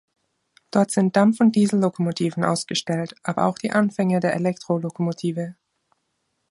Dort sind Dampf- und Diesellokomotiven ausgestellt, aber auch die Anfänge der Elektrolokomotive.